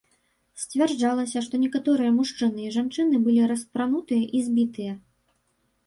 Сцвярджалася, што некаторыя мужчыны і жанчыны былі распранутыя і збітыя.